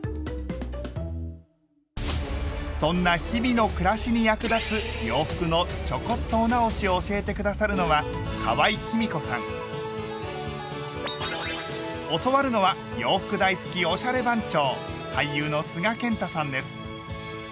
そんな日々の暮らしに役立つ洋服のちょこっとお直しを教えて下さるのは教わるのは洋服大好きおしゃれ番長！